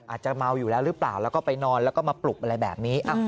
อาจจะเมาอยู่แล้วหรือเปล่าแล้วก็ไปนอนแล้วก็มาปลุกอะไรแบบนี้